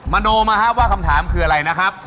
มาโน้มนะฮะว่าคำถามคืออะไรนะครับ